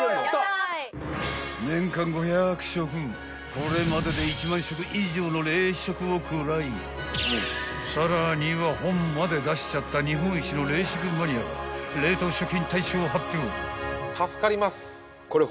［これまでで１万食以上の冷食を食らいさらには本まで出しちゃった日本一の冷食マニアが冷凍食品大賞を発表］